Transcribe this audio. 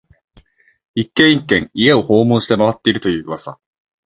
一軒、一軒、家を訪問して回っていると言う噂